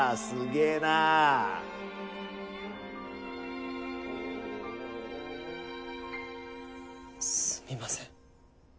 すみません。